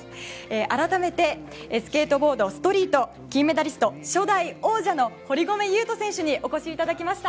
改めてスケートボード・ストリート金メダリスト初代王者の堀米雄斗選手にお越しいただきました。